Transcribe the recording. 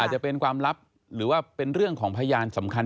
จะเป็นความลับหรือว่าเป็นเรื่องของพยานสำคัญ